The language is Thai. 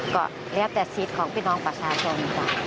ก็เลี้ยวแต่ชีสของพี่น้องประชาชน